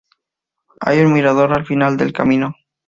Hay un mirador al final del camino.